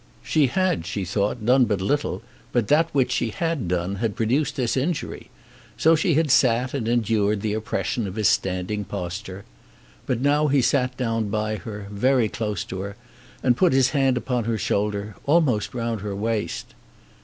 She had, she thought, done but little, but that which she had done had produced this injury. So she had sat and endured the oppression of his standing posture. But now he sat down by her, very close to her, and put his hand upon her shoulder, almost round her waist.